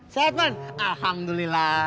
set bang alhamdulillah